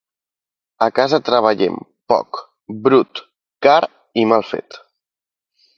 A casa treballem poc, brut, car i mal fet.